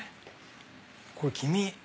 これ黄身。